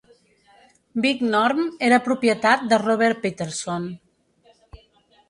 Big Norm era propietat de Robert Peterson.